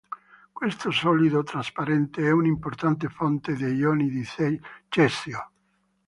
Questo solido trasparente è un'importante fonte di ioni di cesio.